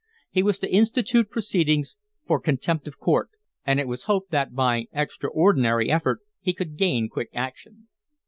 He was to institute proceedings for contempt of court, and it was hoped that by extraordinary effort he could gain quick action.